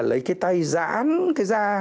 lấy cái tay dán cái da